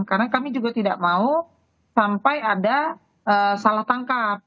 karena kami juga tidak mau sampai ada salah tangkap